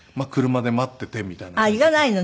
行かないの？